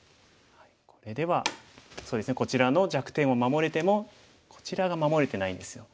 これではそうですねこちらの弱点を守れてもこちらが守れてないんですよ。